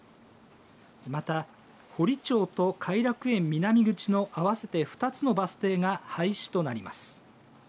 また、堀町と偕楽園南口の合わせて２つのバス停が廃止となります。